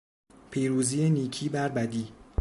پیروزی نیکی بر بدی